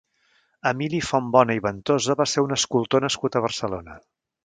Emili Fontbona i Ventosa va ser un escultor nascut a Barcelona.